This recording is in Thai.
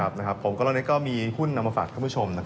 ผมก็ละเน็ตก็มีหุ้นเอามาฝากท่านผู้ชม